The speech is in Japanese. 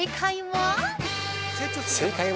◆正解は◆